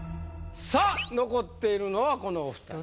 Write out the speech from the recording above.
さあ残っているのはこのお二人。